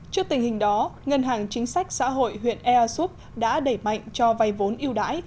trước tình hình đó ngân hàng chính sách xã hội huyện air soup đã đẩy mạnh cho vay vốn yêu đãi